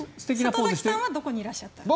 里崎さんはどこにいらっしゃったんですか？